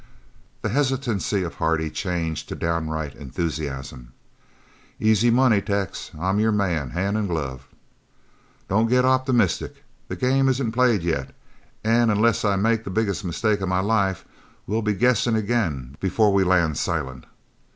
The hesitancy of Hardy changed to downright enthusiasm. "Easy money, Tex. I'm your man, hand and glove." "Don't get optimistic. This game isn't played yet, and unless I make the biggest mistake of my life we'll be guessing again before we land Silent.